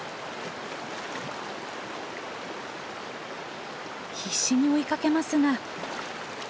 必死に追いかけますが。